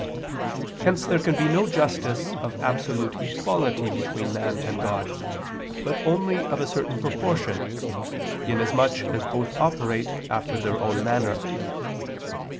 Hence there can be no justice of absolute equality between man and God, but only of a certain proportion, inasmuch as both operate after their own manner.